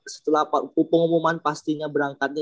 setelah pengumuman pastinya berangkatnya